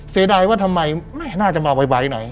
เสียดายว่าทำไมน่าจะมาไวหน่อย